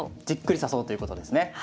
じっくり指そうということですね。